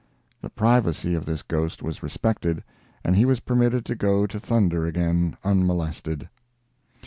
The privacy of this ghost was respected, and he was permitted to go to thunder again unmolested.